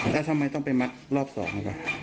แล้วทำไมต้องไปมัดรอบ๒นะครับ